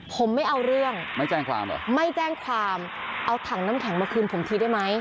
ผมไม่เอาเรื่องไม่แจ้งความเหรอไม่แจ้งความเอาถังน้ำแข็งมาคืนผมทีได้ไหม